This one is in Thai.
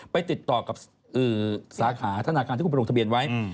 ไปติดต่อกับสาขาธนาคารที่คุณไปลงทะเบียนไว้